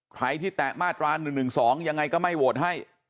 ใครที่แตะมาตรา๑๑๒ยังไงก็ไม่โหวตให้